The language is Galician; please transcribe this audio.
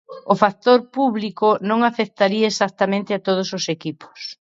O factor público non afectaría exactamente a todos os equipos.